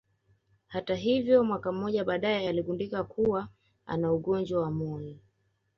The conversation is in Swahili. Hata hivyo mwaka mmoja baadaye aligundulika kuwa na ugonjwa wa moyo